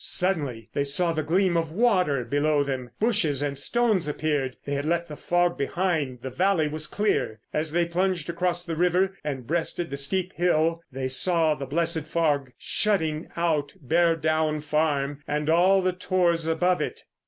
Suddenly they saw the gleam of water below them, bushes and stones appeared. They had left the fog behind, the valley was clear. As they plunged across the river and breasted the steep hill they saw the blessed fog shutting out Beardown Farm and all the tors above it.